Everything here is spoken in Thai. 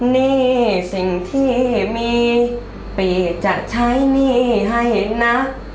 หนี้สิ่งที่มีปีจะใช้หนี้ให้นะ